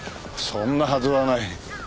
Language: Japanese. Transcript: そんなはずはない。